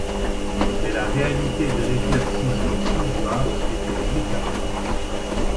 Mais la réalité de l'exercice du pouvoir était brutal.